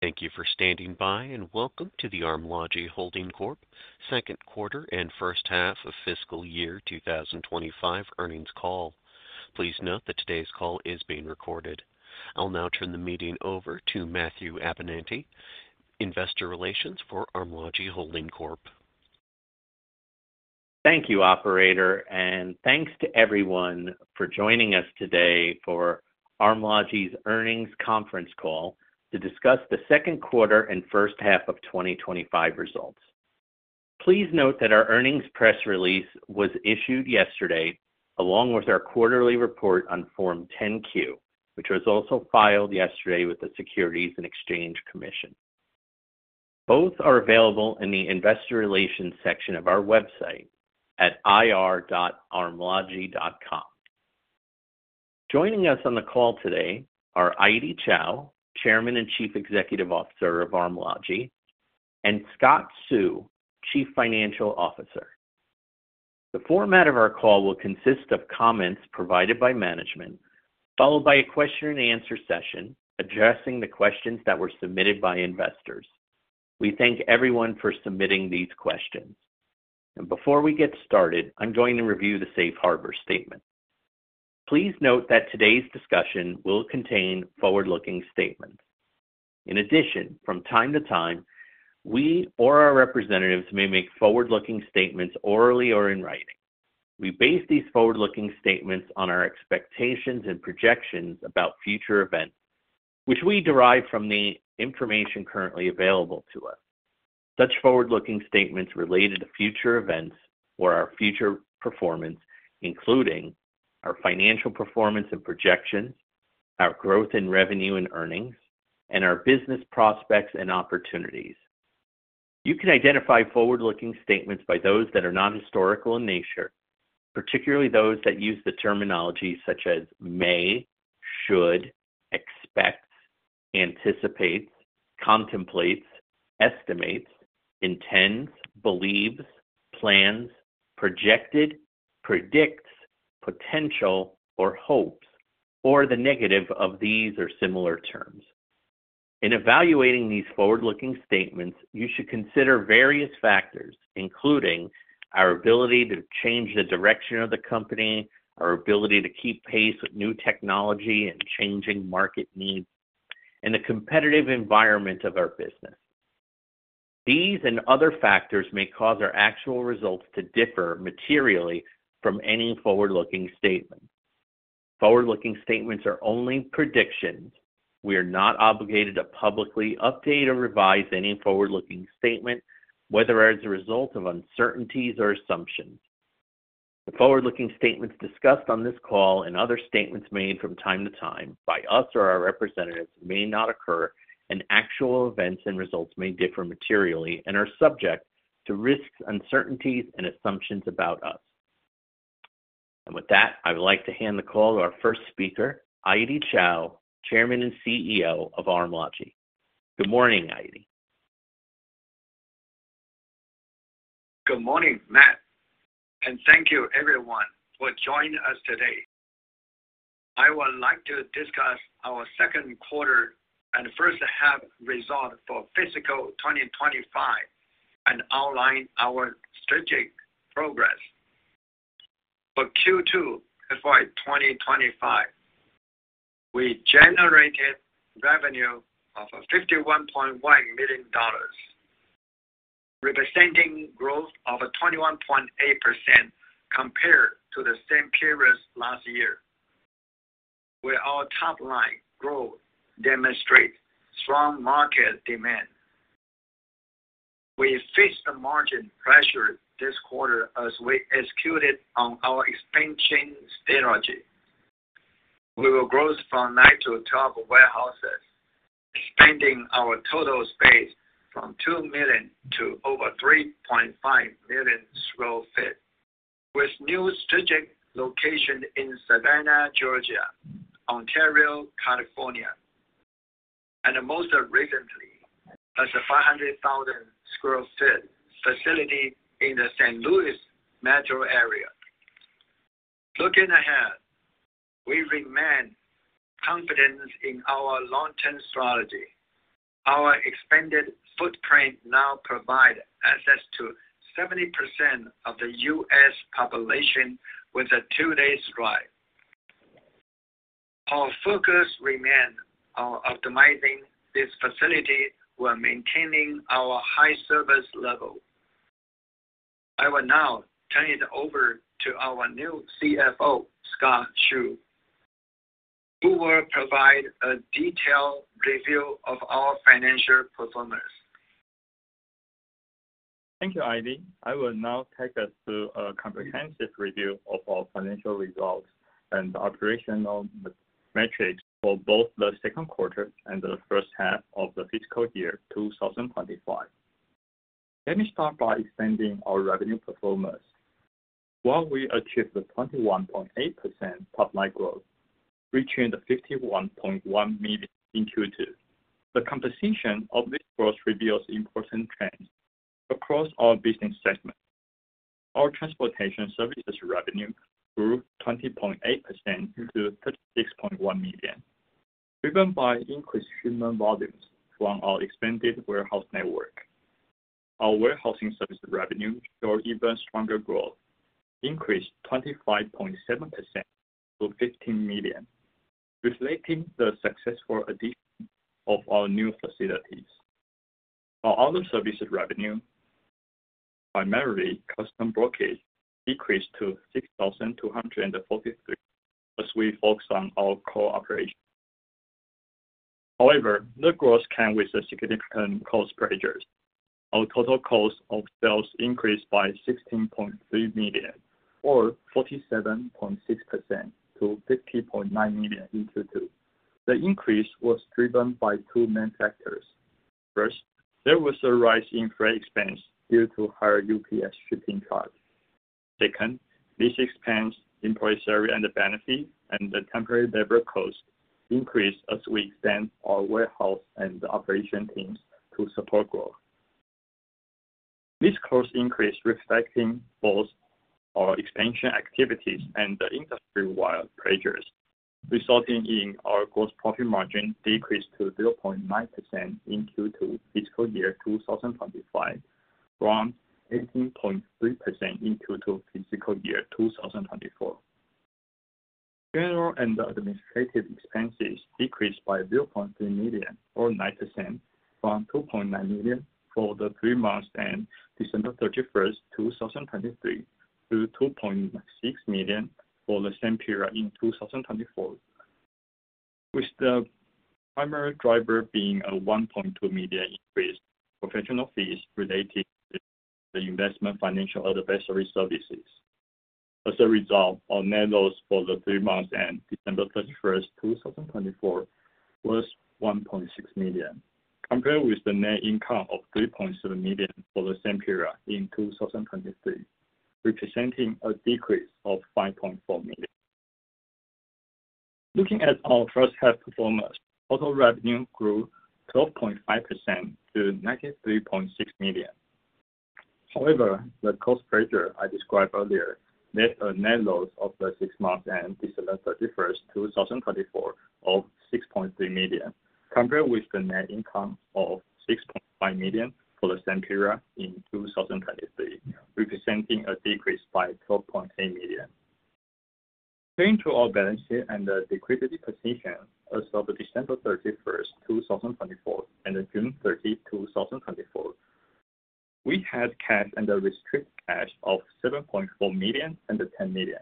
Thank you for standing by, and welcome to the Armlogi Holding Corp. second quarter and first half of fiscal year 2025 earnings call. Please note that today's call is being recorded. I'll now turn the meeting over to Matthew Abenante, Investor Relations for Armlogi Holding Corp. Thank you, Operator, and thanks to everyone for joining us today for Armlogi's earnings conference call to discuss the second quarter and first half of 2025 results. Please note that our earnings press release was issued yesterday, along with our quarterly report on Form 10-Q, which was also filed yesterday with the Securities and Exchange Commission. Both are available in the Investor Relations section of our website at ir.armlogi.com. Joining us on the call today are Aidy Chou, Chairman and Chief Executive Officer of Armlogi, and Scott Hsu, Chief Financial Officer. The format of our call will consist of comments provided by management, followed by a question-and-answer session addressing the questions that were submitted by investors. We thank everyone for submitting these questions. Before we get started, I'm going to review the Safe Harbor Statements. Please note that today's discussion will contain forward-looking statements. In addition, from time to time, we or our representatives may make forward-looking statements orally or in writing. We base these forward-looking statements on our expectations and projections about future events, which we derive from the information currently available to us. Such forward-looking statements relate to future events or our future performance, including our financial performance and projections, our growth in revenue and earnings, and our business prospects and opportunities. You can identify forward-looking statements by those that are non-historical in nature, particularly those that use the terminology such as may, should, expects, anticipates, contemplates, estimates, intends, believes, plans, projected, predicts, potential, or hopes, or the negative of these or similar terms. In evaluating these forward-looking statements, you should consider various factors, including our ability to change the direction of the company, our ability to keep pace with new technology and changing market needs, and the competitive environment of our business. These and other factors may cause our actual results to differ materially from any forward-looking statement. Forward-looking statements are only predictions. We are not obligated to publicly update or revise any forward-looking statement, whether as a result of uncertainties or assumptions. The forward-looking statements discussed on this call and other statements made from time to time by us or our representatives may not occur, and actual events and results may differ materially and are subject to risks, uncertainties, and assumptions about us. With that, I would like to hand the call to our first speaker, Aidy Chou, Chairman and CEO of Armlogi. Good morning, Aidy. Good morning, Matt, and thank you, everyone, for joining us today. I would like to discuss our second quarter and first half results for fiscal 2025 and outline our strategic progress. For Q2 FY 2025, we generated revenue of $51.1 million, representing growth of 21.8% compared to the same period last year. With our top-line growth, we demonstrate strong market demand. We faced the margin pressure this quarter as we executed on our expansion strategy. We will grow from nine to twelve warehouses, expanding our total space from 2 million to over 3.5 million sq ft, with new strategic locations in Savannah, Georgia, Ontario, California, and most recently, a 500,000 sq ft facility in the St. Louis metro area. Looking ahead, we remain confident in our long-term strategy. Our expanded footprint now provides access to 70% of the U.S. population with a two-day drive. Our focus remains on optimizing this facility while maintaining our high service level. I will now turn it over to our new CFO, Scott Hsu, who will provide a detailed review of our financial performance. Thank you, Aidy. I will now take us to a comprehensive review of our financial results and operational metrics for both the second quarter and the first half of the fiscal year 2025. Let me start by extending our revenue performance. While we achieved 21.8% top-line growth, reaching $51.1 million in Q2, the composition of this growth reveals important trends across our business segment. Our Transportation Services revenue grew 20.8% to $36.1 million, driven by increased unit volumes from our expanded warehouse network. Our Warehousing Services revenue showed even stronger growth, increasing 25.7% to $15 million, reflecting the successful addition of our new facilities. Our Other Services revenue, primarily customs brokerage, decreased to $6,243 as we focus on our core operations. However, the growth came with significant cost pressures. Our total cost of sales increased by $16.3 million, or 47.6% to $50.9 million in Q2. The increase was driven by two main factors. First, there was a rise in freight expenses due to higher UPS shipping charges. Second, these expenses increased salary and benefits, and the temporary labor costs increased as we expanded our warehouse and operation teams to support growth. This cost increase reflected both our expansion activities and the industry-wide pressures, resulting in our gross profit margin decreasing to 0.9% in Q2 fiscal year 2025, from 18.3% in Q2 fiscal year 2024. General and administrative expenses decreased by $0.3 million, or 9%, from $2.9 million for the three months ended December 31, 2023, to $2.6 million for the same period in 2024, with the primary driver being a $1.2 million increase in professional fees related to the investment financial advisory services. As a result, our net loss for the three months ended December 31, 2024, was $1.6 million, compared with the net income of $3.7 million for the same period in 2023, representing a decrease of $5.4 million. Looking at our first-half performance, total revenue grew 12.5% to $93.6 million. However, the cost pressure I described earlier led to a net loss for the six months ended December 31, 2024, of $6.3 million, compared with the net income of $6.5 million for the same period in 2023, representing a decrease of $12.8 million. Looking to our balance sheet and the liquidity position as of December 31, 2024, and June 30, 2024, we had cash and restricted cash of $7.4 million and $10 million,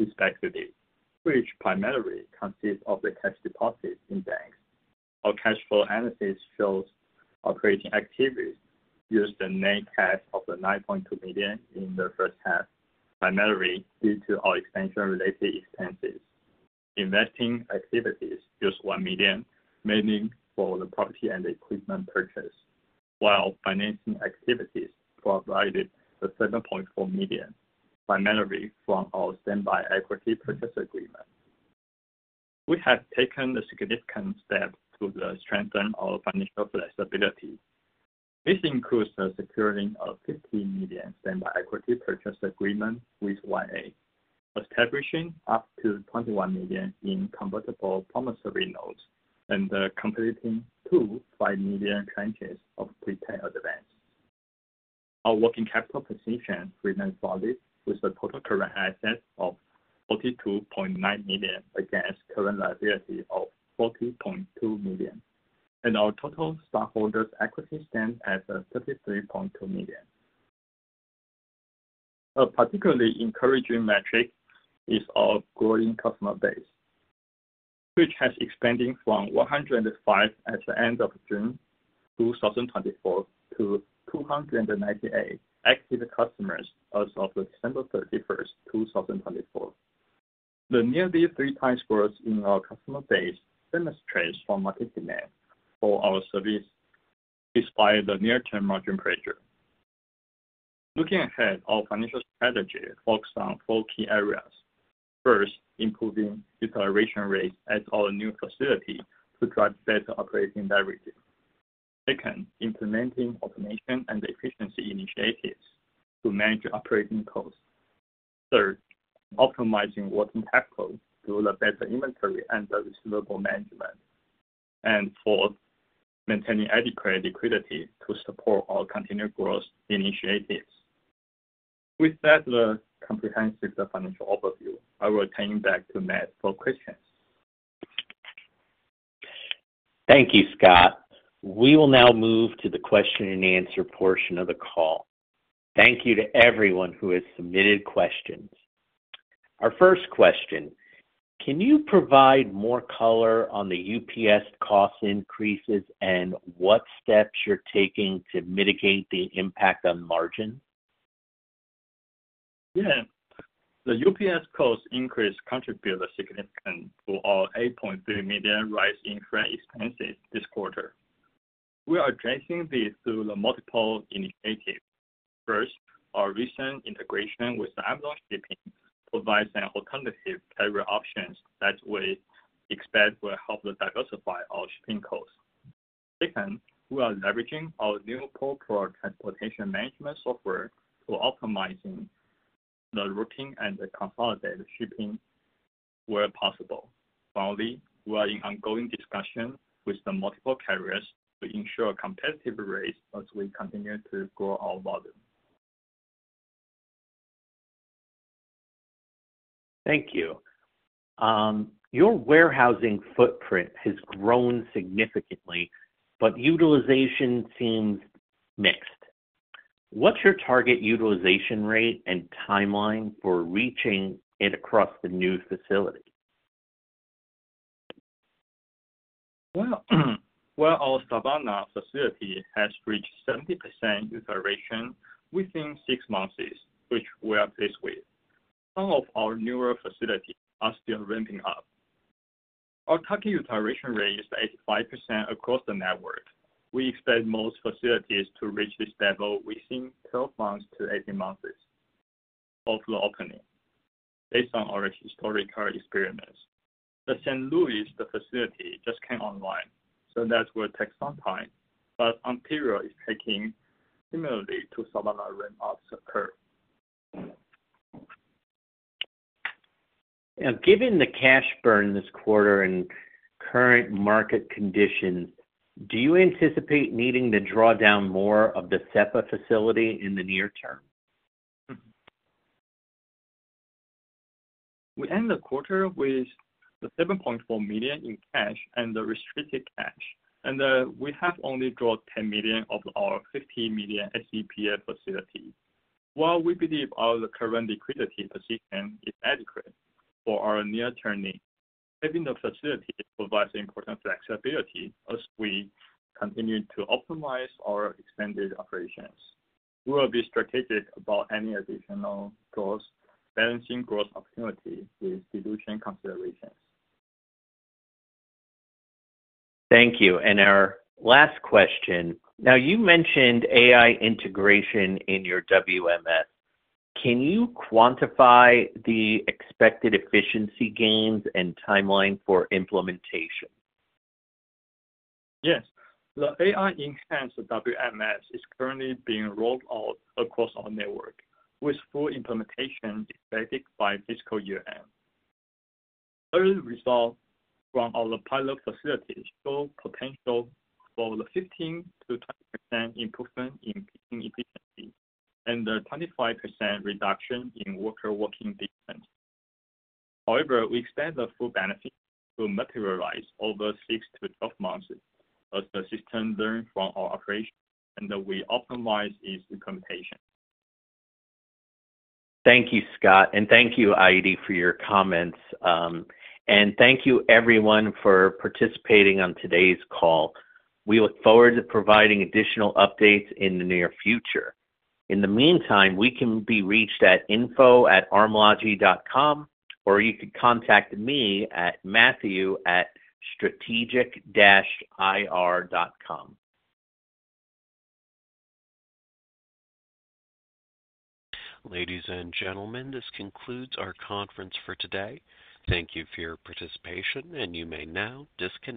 respectively, which primarily consist of the cash deposits in banks. Our cash flow analysis shows operating activities used the net cash of $9.2 million in the first half, primarily due to our expansion-related expenses. Investing activities used $1 million, mainly for the property and equipment purchase, while financing activities provided $7.4 million, primarily from our Standby Equity Purchase Agreement. We have taken a significant step to strengthen our financial flexibility. This includes securing a $50 million standby equity purchase agreement with YA, establishing up to $21 million in convertible promissory notes, and completing two $5 million tranches of prepaid advance. Our working capital position remains solid, with a total current assets of $42.9 million against current liabilities of $40.2 million, and our total stockholders' equity stands at $33.2 million. A particularly encouraging metric is our growing customer base, which has expanded from 105 at the end of June 2024 to 298 active customers as of December 31, 2024. The nearly 3x growth in our customer base demonstrates strong market demand for our service, despite the near-term margin pressure. Looking ahead, our financial strategy focuses on four key areas. First, improving utilization rates at our new facility to drive better operating leverage. Second, implementing automation and efficiency initiatives to manage operating costs. Third, optimizing working capital to do better inventory and receivable management. Fourth, maintaining adequate liquidity to support our continued growth initiatives. With that, the comprehensive financial overview, I will turn it back to Matt for questions. Thank you, Scott. We will now move to the question-and-answer portion of the call. Thank you to everyone who has submitted questions. Our first question: Can you provide more color on the UPS cost increases and what steps you're taking to mitigate the impact on margin? Yeah. The UPS cost increase contributed significantly to our $8.3 million rise in freight expenses this quarter. We are addressing this through multiple initiatives. First, our recent integration with Amazon Shipping provides alternative carrier options that we expect will help diversify our shipping costs. Second, we are leveraging our new corporate transportation management software to optimize the routing and consolidate shipping where possible. Finally, we are in ongoing discussions with multiple carriers to ensure competitive rates as we continue to grow our volume. Thank you. Your warehousing footprint has grown significantly, but utilization seems mixed. What's your target utilization rate and timeline for reaching it across the new facility? Our Savannah facility has reached 70% utilization within six months, which we are pleased with. Some of our newer facilities are still ramping up. Our target utilization rate is 85% across the network. We expect most facilities to reach this level within 12-18 months of the opening, based on our historical experience. The St. Louis facility just came online, so that will take some time, but Ontario is tracking similarly to Savannah ramp-ups occurred. Now, given the cash burn this quarter and current market conditions, do you anticipate needing to draw down more of the SEPA facility in the near term? We end the quarter with $7.4 million in cash and restricted cash, and we have only drawn $10 million of our $50 million SEPA facility. While we believe our current liquidity position is adequate for our near-term needs, having the facility provides important flexibility as we continue to optimize our expanded operations. We will be strategic about any additional costs, balancing growth opportunities with dilution considerations. Thank you. Our last question. You mentioned AI integration in your WMS. Can you quantify the expected efficiency gains and timeline for implementation? Yes. The AI-enhanced WMS is currently being rolled out across our network, with full implementation expected by fiscal year end. Early results from our pilot facility show potential for the 15%-20% improvement in picking efficiency and the 25% reduction in worker walking distance. However, we expect the full benefits to materialize over 6-12 months as the system learns from our operations and we optimize its implementation. Thank you, Scott. Thank you, Aidy, for your comments. Thank you, everyone, for participating on today's call. We look forward to providing additional updates in the near future. In the meantime, we can be reached at info@armlogi.com, or you can contact me at matthew@strategic-ir.com. Ladies and gentlemen, this concludes our conference for today. Thank you for your participation, and you may now disconnect.